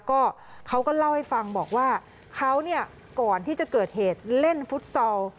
ก็เขาก็เล่าให้ฟังบอกว่าเขาเนี่ยก่อนที่จะเกิดเหตุเล่นฟุตซอล